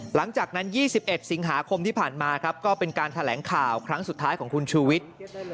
หลังจากนั้น๒๑สิงหาคมที่ผ่านมาครับก็เป็นการแถลงข่าวครั้งสุดท้ายของคุณชูวิทย์